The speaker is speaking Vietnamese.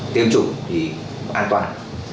tiêm chủng thì an toàn